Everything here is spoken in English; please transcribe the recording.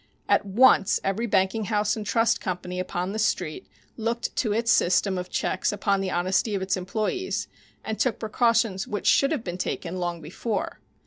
At once every banking house and trust company upon the Street looked to its system of checks upon the honesty of its employees, and took precautions which should have been taken long before.